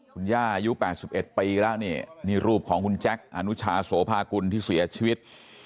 คุณย่าอายุ๘๑ปีแล้วนี่นี่รูปของคุณแจ๊คอนุชาโสภากุลที่เสียชีวิต